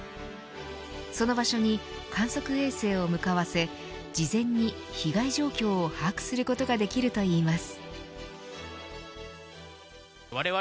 その場所に観測衛星を向かわせ事前に被害状況を把握することができるといいます。